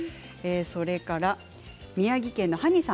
それから宮城県の方。